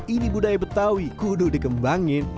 ini budaya betawi kudu dikembangin